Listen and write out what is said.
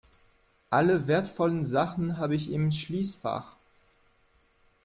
Alle wertvollen Sachen habe ich im Schließfach.